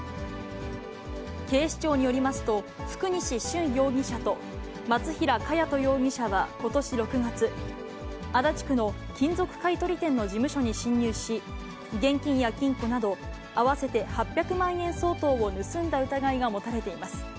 警視庁によりますと、福西舜容疑者と松平茅土容疑者はことし６月、足立区の金属買い取り店の事務所に侵入し、現金や金庫など、合わせて８００万円相当を盗んだ疑いが持たれています。